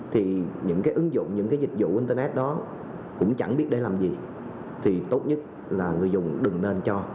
thì những cái ứng dụng những cái dịch vụ internet đó cũng chẳng biết để làm gì thì tốt nhất là người dùng đừng nên cho